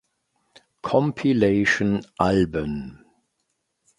Compilation Alben